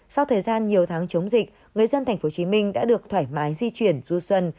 sau thời gian nhiều tháng chống dịch người dân tp hcm đã được thoải mái di chuyển du xuân